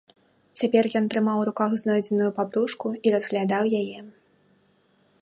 Цяпер ён трымаў у руках знойдзеную папружку і разглядаў яе.